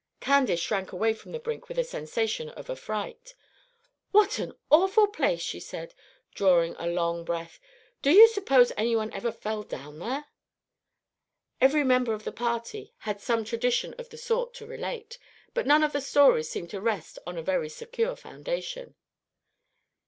Candace shrank away from the brink with a sensation of affright. "What an awful place!" she said, drawing a long breath. "Do you suppose any one ever fell down there?" Every member of the party had some tradition of the sort to relate; but none of the stories seemed to rest on a very secure foundation.